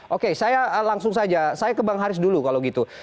oke saya langsung saja saya ke bang haris dulu kalau gitu